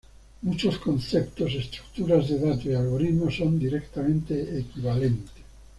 Muchos conceptos, estructuras de datos y algoritmos son directamente equivalentes.